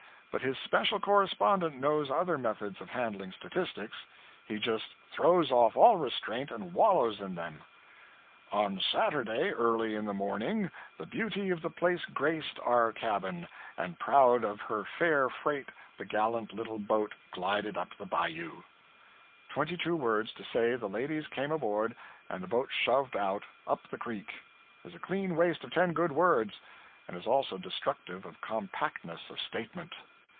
But his special correspondent knows other methods of handling statistics. He just throws off all restraint and wallows in them 'On Saturday, early in the morning, the beauty of the place graced our cabin, and proud of her fair freight the gallant little boat glided up the bayou.' Twenty two words to say the ladies came aboard and the boat shoved out up the creek, is a clean waste of ten good words, and is also destructive of compactness of statement.